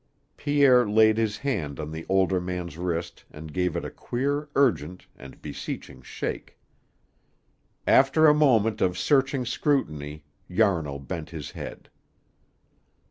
Pierre laid his hand on the older man's wrist and gave it a queer urgent and beseeching shake. After a moment of searching scrutiny, Yarnall bent his head.